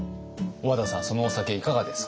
小和田さんそのお酒いかがですか？